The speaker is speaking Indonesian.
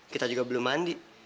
kita juga belum mandi